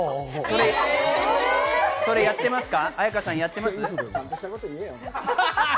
それやってますか？